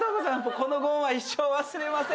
このご恩は一生忘れません。